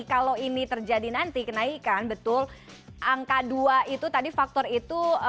kalau ini terjadi nanti kenaikan betul angka dua itu tadi faktor itu